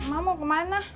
emang mau kemana